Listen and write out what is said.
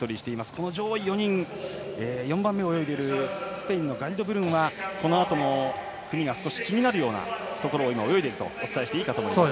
この上位４人、４番目を泳ぐスペインのガリド・ブルンはこのあとの組が少し気になるようなところを泳いでいるとお伝えしていいと思います。